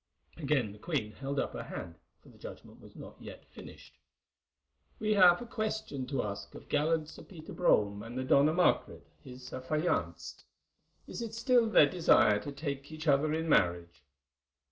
Again the queen held up her hand, for the judgment was not yet finished. "We have a question to ask of the gallant Sir Peter Brome and the Dona Margaret, his affianced. Is it still their desire to take each other in marriage?"